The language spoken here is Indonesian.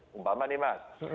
memahami ini mas